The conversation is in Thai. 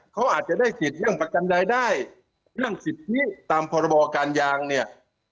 เขาอาจจะได้สิทธิ์เรื่องประกันรายได้เรื่องสิทธิตามพรบการยางเนี่ย